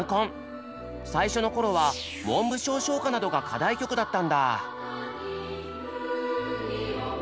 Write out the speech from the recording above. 最初の頃は文部省唱歌などが課題曲だったんだ。